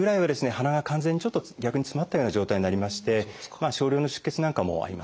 鼻が完全に逆につまったような状態になりまして少量の出血なんかもあります。